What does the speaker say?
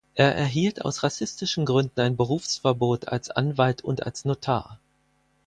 Er erhielt aus rassistischen Gründen ein Berufsverbot als Anwalt und als Notar.